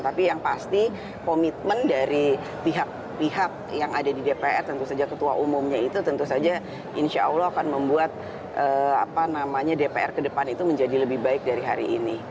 tapi yang pasti komitmen dari pihak pihak yang ada di dpr tentu saja ketua umumnya itu tentu saja insya allah akan membuat dpr kedepan itu menjadi lebih baik dari hari ini